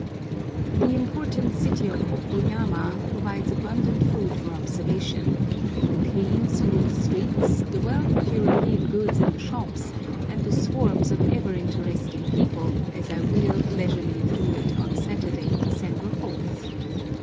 The important city of Okoyama provides abundant food for observation the clean, smooth streets, the wealth of European goods in the shops, and the swarms of ever interesting people, as I wheel leisurely through it on Saturday, December 4th.